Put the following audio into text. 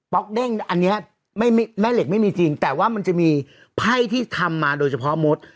็อกเด้งอันนี้ไม่แม่เหล็กไม่มีจริงแต่ว่ามันจะมีไพ่ที่ทำมาโดยเฉพาะมด